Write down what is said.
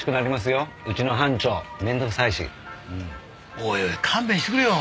おいおい勘弁してくれよ。